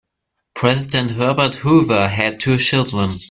President Herbert Hoover had two children.